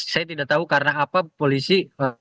saya tidak tahu karena apa polisi